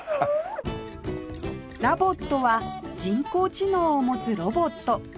ラボットは人工知能を持つロボット